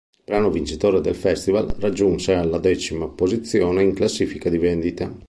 Il brano vincitore del Festival raggiunse alla decima posizione in classifica di vendite.